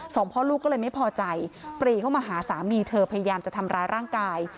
พ่อลูกก็เลยไม่พอใจปรีเข้ามาหาสามีเธอพยายามจะทำร้ายร่างกาย